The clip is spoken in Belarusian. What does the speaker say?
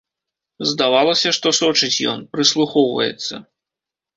Здавалася, што сочыць ён, прыслухоўваецца.